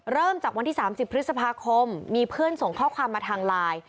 เริ่มจากวันที่๓๐พฤษภาคมมีเพื่อนส่งข้อความมาทางไลน์